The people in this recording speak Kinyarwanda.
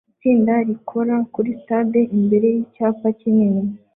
Itsinda rikora kuri stade imbere yicyapa kinini